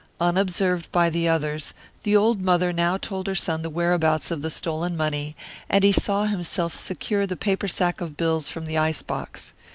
Unobserved by the others, the old mother now told her son the whereabouts of the stolen money, and he saw himself secure the paper sack of bills from the ice box.